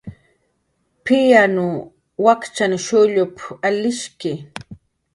"P""iryanw wakchan shullup"" alishki"